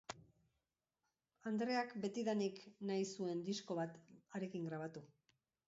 Andreak betidanik nahi zuen disko bat harekin grabatu.